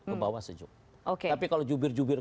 kebawah sejuk tapi kalau jubir jubir